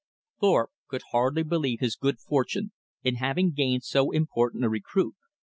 Thorpe could hardly believe his good fortune in having gained so important a recruit.